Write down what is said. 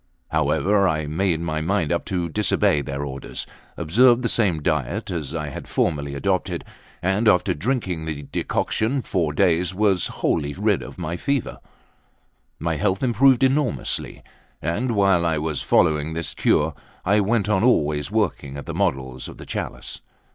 However, I made my mind up to disobey their orders, observed the same diet as I had formerly adopted, and after drinking the decoction four days, was wholly rid of fever. My health improved enormously; and while I was following this cure, I went on always working at the models of the chalice.